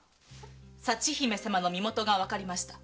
佐知姫様の身元がわかりました。